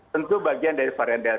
tentu bagian dari varian delta